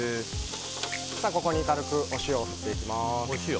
ここに軽くお塩を振っていきます。